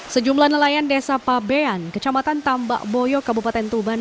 sejumlah nelayan desa pabean kecamatan tambak boyo kabupaten tuban